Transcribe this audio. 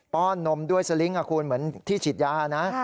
้อนนมด้วยสลิงค์คุณเหมือนที่ฉีดยานะ